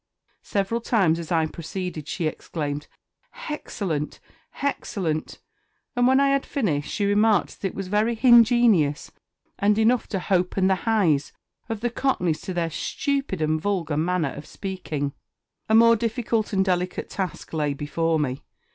Several times, as I proceeded, she exclaimed "_H_excellent! _h_excellent!" and when I had finished, she remarked that is was very "_h_ingenious," and enough to "_h_open the _h_eyes" of the Cockneys to their stupid and vulgar manner of speaking. A more difficult and delicate task lay before me.